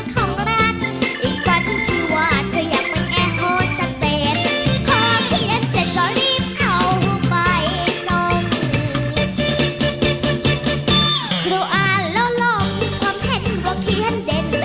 ครูอ่านแล้วลองความเห็นก็เขียนเด่น